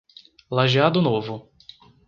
Lajeado Novo